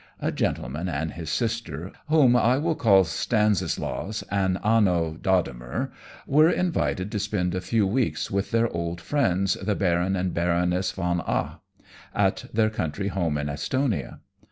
A gentleman and his sister, whom I will call Stanislaus and Anno D'Adhemar, were invited to spend a few weeks with their old friends, the Baron and Baroness Von A , at their country home in Estonia.